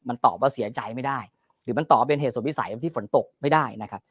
มันตอบว่าเสียใจไม่ได้หรือมันตอบว่าเป็นเหตุสุดวิสัยที่ฝนตกไม่ได้นะครับ